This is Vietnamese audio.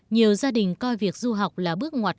nhiều gia đình coi việc du học là bước ngoặt